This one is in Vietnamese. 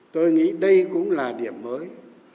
tôi nghĩ đây cũng là điểm mới